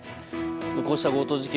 こうした強盗事件